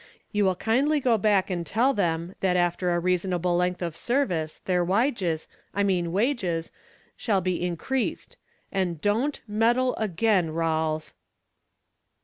You will kindly go back and tell them that after a reasonable length of service their wiges I mean wages shall be increased. AND DON'T MEDDLE AGAIN, Rawles."